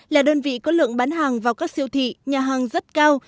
là đơn vị có lượng bán hàng vào các siêu thị nhà hàng rất cao